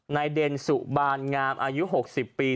เด่นสุบานงามอายุ๖๐ปี